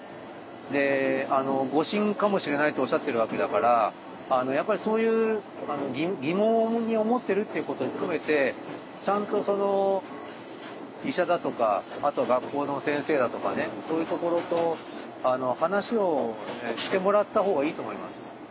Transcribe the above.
であの「誤診かもしれない」とおっしゃってるわけだからやっぱりそういう疑問に思ってるっていうことを含めてちゃんとその医者だとかあと学校の先生だとかねそういうところと話をねしてもらったほうがいいと思います。